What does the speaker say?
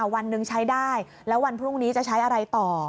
วันหนึ่งใช้ได้แล้ววันพรุ่งนี้จะใช้อะไรต่อ